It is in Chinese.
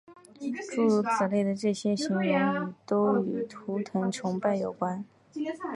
诸如此类的这些形容语都与图腾崇拜有关。